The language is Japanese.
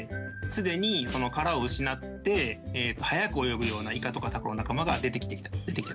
すでに殻を失って速く泳ぐようなイカとかタコの仲間が出てきてたと。